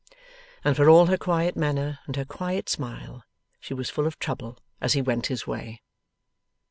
And for all her quiet manner, and her quiet smile, she was full of trouble as he went his way.